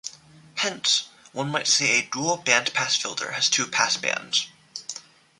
Hence, one might say A dual bandpass filter has two passbands.